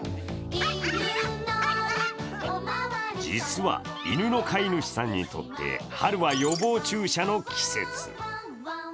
実は、犬の飼い主さんにとって春は予防注射の季節。